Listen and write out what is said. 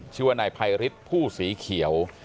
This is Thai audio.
ชื่อว่านายไพริสผู้สีเขียว